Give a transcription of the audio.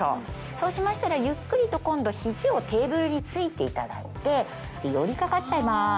そうしましたらゆっくりと今度肘をテーブルに突いていただいて寄り掛かっちゃいます。